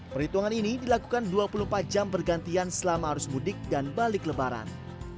perhitungan ini dilakukan dua puluh empat jam bergantian selama arus mudik dan balik lebaran